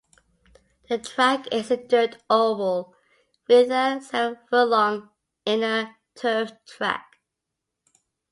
The track is a dirt oval with a seven-furlong inner turf track.